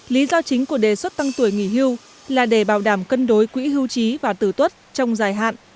lý do chính của đề xuất tăng tuổi nghỉ hưu là để bảo đảm cân đối quỹ hưu trí và tử tuất trong dài hạn